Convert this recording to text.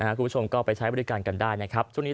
นอกจากนั้นคุณผู้ชมเรื่องของสิ่งอำนวยความสะดวก